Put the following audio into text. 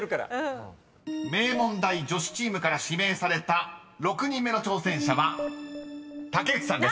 ［名門大女子チームから指名された６人目の挑戦者は竹内さんです］